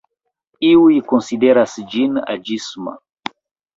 Iuj konsideras ĝin aĝisma.